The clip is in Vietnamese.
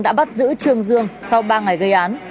đã bắt giữ trương dương sau ba ngày gây án